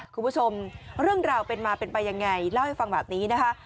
คุณผู้ชมเรื่องราวเป็นมาเป็นไปยังไงเล่าให้ฟังแบบนี้นะคะ